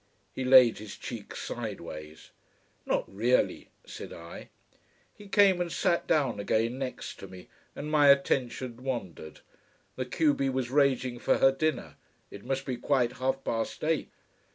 He laid his cheek sideways. "Not really," said I. He came and sat down again next to me, and my attention wandered. The q b was raging for her dinner. It must be quite half past eight.